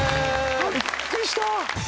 あびっくりした。